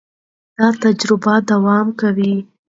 دا تجربه دوام کوي.